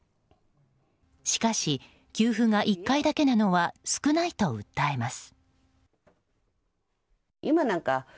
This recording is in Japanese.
しかし給付が１回だけなのは少ないと訴えます。